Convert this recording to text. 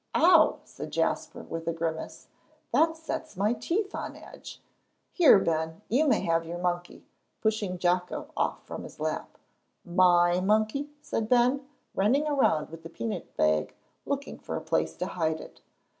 "Ow!" said Jasper, with a grimace, "that sets my teeth on edge. Here, Ben, you may have your monkey," pushing Jocko off from his lap. "My monkey?" said Ben, running around with the peanut bag, looking for a place to hide it.